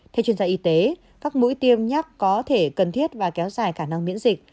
theo chuyên gia y tế các mũi tiêm nhắc có thể cần thiết và kéo dài khả năng miễn dịch